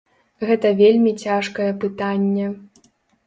Гэта вельмі цяжкае пытанне.